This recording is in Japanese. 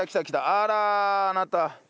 あらーあなた。